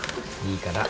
いいから。